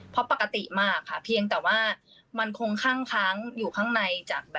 เพราะปกติมากค่ะเพียงแต่ว่ามันคงข้างอยู่ข้างในจาก